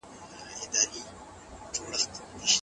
دا د اوبو حل کېدونکي ویټامینونه کموي.